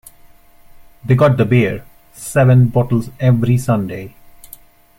They got the beer - seven bottles every Sunday.